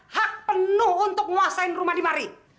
hak penuh untuk nguasain rumah di mari